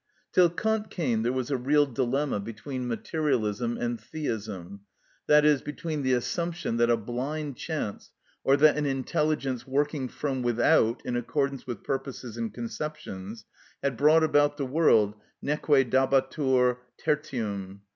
Till Kant came there was a real dilemma between materialism and theism, i.e., between the assumption that a blind chance, or that an intelligence working from without in accordance with purposes and conceptions, had brought about the world, neque dabatur tertium.